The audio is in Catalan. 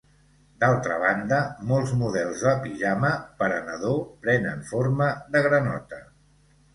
D'altra banda, molts models de pijama per a nadó prenen forma de granota.